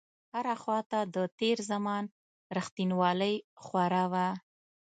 هره خواته د تېر زمان رښتينولۍ خوره وه.